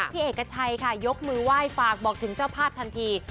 พี่เอกชัยค่ะยกมือไหว้ฝากบอกถึงเจ้าภาพทันที